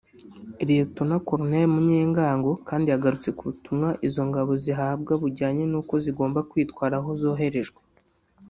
Lt Col Munyengango kandi yagarutse ku butumwa izo ngabo zihabwa bujyanye n’uko zigomba kwitwara aho zoherejwe